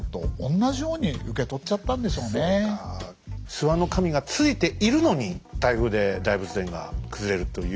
諏訪の神がついているのに台風で大仏殿が崩れるという。